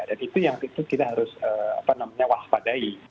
dan itu yang kita harus waspadai